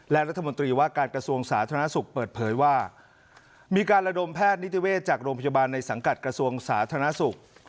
และรัฐมนตรีว่าการกระทรวงสาธารณสุขเปิดเผยว่ามีการระดมแพทย์นิติเวศจากโรงพยาบาลในสังกัดกระทรวงสาธารณสุข